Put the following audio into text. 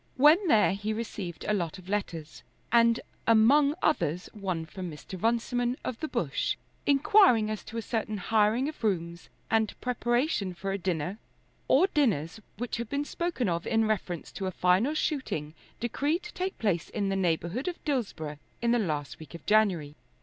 When there he received a lot of letters, and among others one from Mr. Runciman, of the Bush, inquiring as to a certain hiring of rooms and preparation for a dinner or dinners which had been spoken of in reference to a final shooting decreed to take place in the neighbourhood of Dillsborough in the last week of January.